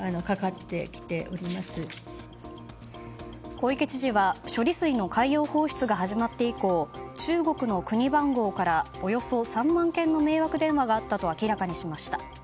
小池知事は処理水の海洋放出が始まって以降中国の国番号からおよそ３万件の迷惑電話があったと明らかにしました。